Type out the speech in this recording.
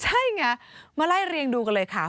ใช่ไงมาไล่เรียงดูกันเลยค่ะ